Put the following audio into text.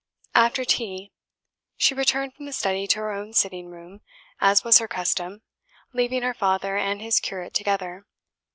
After tea, she returned from the study to her own sitting room, as was her custom, leaving her father and his curate together.